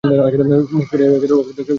মুখ ফিরাইয়া ভগ্নহৃদয়ে কহিলেন, তবে ধ্রুব রহিল।